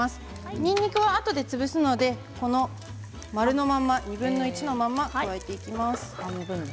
にんにくはあとで潰すので丸のまんま、２分の１のまま加えていきます。